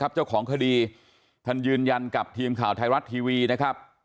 เจ้าของคดีท่านยืนยันกับทีมข่าวไทยรัฐทีวีนะครับ